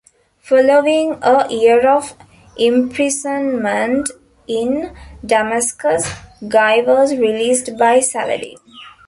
Following a year of imprisonment in Damascus, Guy was released by Saladin.